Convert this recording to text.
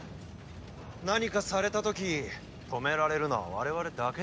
何かされた時止められるのは我々だけですから。